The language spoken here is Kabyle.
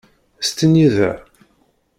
Stenyi da.